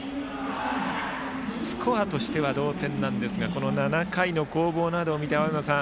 スコアとしては同点ですがこの７回の攻防などを見て青山さん